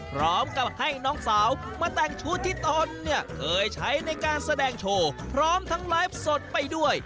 พร้อมกับให้น้องสาวมาแต่งชุดที่ตนเนี่ยเคยใช้ในการแสดงโชว์พร้อมทั้งไลฟ์สดไปด้วย